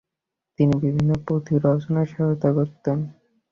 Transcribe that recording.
তিনি বিভিন্ন পুঁথি রচনায় সহায়তা করতেন।